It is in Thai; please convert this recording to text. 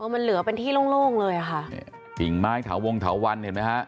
มันเหลือเป็นที่โล่งโล่งเลยอ่ะค่ะกิ่งไม้เถาวงเถาวันเห็นไหมฮะ